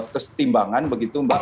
kesetimbangan begitu mbak